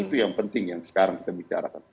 itu yang penting yang sekarang kita bicarakan